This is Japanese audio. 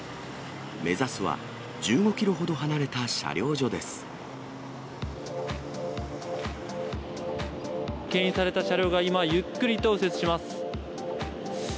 目指すは、けん引された車両が今、ゆっくりと右折します。